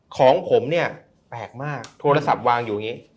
ของผมเนี่ยแปลกมากโทรศัพท์วางอยู่อย่างนี้